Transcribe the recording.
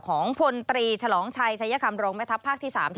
พลตรีฉลองชัยชัยคำรองแม่ทัพภาคที่๓